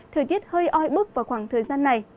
thời tiết hơi oi bức vào khoảng thời gian này